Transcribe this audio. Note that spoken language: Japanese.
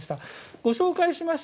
ご紹介しました